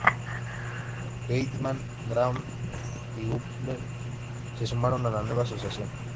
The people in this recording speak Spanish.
Weidman, Graham y Humphrey se sumaron a la Nueva Asociación.